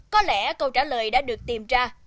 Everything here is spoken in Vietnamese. có lẽ câu trả lời đã được tìm ra